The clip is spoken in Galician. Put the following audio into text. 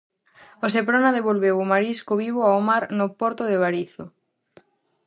O Seprona devolveu o marisco vivo ao mar no porto de Barizo.